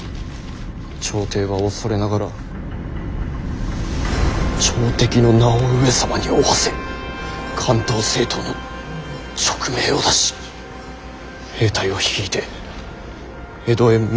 「朝廷は恐れながら朝敵の名を上様に負わせ関東征討の勅命を出し兵隊を率いて江戸へ向かうとの風説」。